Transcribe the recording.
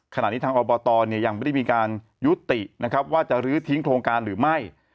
ขณะนี้ทางอบตยังไม่ได้มีการยุตินะครับว่าจะลื้อทิ้งโครงการหรือไม่